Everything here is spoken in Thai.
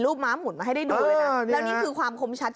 ม้าหมุนมาให้ได้ดูเลยนะแล้วนี่คือความคมชัด